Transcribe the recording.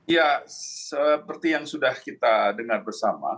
ya seperti yang sudah kita dengar bersama